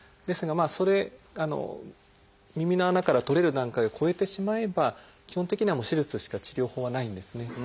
ですがそれ耳の穴から取れる段階を超えてしまえば基本的にはもう手術しか治療法はないんですね。